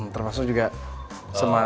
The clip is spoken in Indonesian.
termasuk juga semua